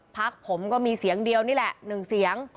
พักผมก็มีเสียงเดียวนี่แหละ๑เสียง